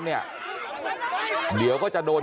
กลับไปลองกลับ